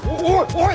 おい！